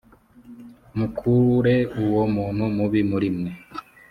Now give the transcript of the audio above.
mukure uwo muntu mubi muri mwe